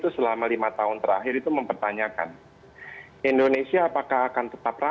secara subtansinya secara